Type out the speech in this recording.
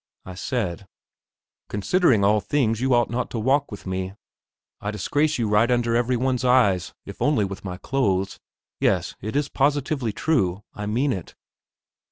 I said: "Considering all things, you ought not to walk with me. I disgrace you right under every one's eyes, if only with my clothes. Yes, it is positively true; I mean it."